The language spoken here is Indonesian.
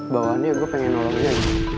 bawahannya gue pengen nolong dia